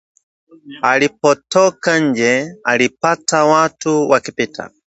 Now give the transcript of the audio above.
Alipotoka nje, alipata watu wakipita